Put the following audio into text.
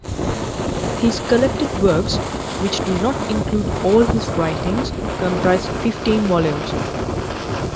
His "Collected Works", which do not include all his writings, comprise fifteen volumes.